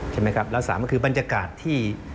ใช่ไหมครับแล้วสามก็คือบรรยากาศที่